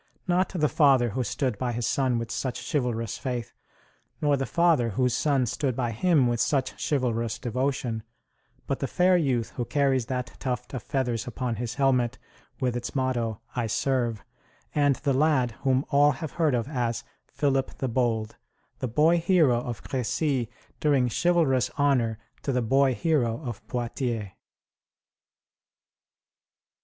Not the father who stood by his son with such chivalrous faith, nor the father whose son stood by him with such chivalrous devotion, but the fair youth who carries that tuft of feathers upon his helmet, with its motto, "I serve," and the lad whom all have heard of as "Philip the Bold"; the boy hero of Crecy doing chivalrous honor to the boy hero of Poitiers!